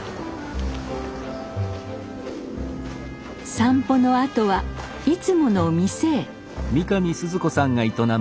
散歩のあとはいつもの店へ。